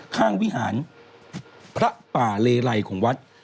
วิหารพระป่าเลไลของวัด